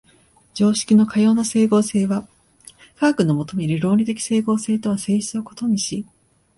常識のかような斉合性は科学の求める論理的斉合性とは性質を異にし、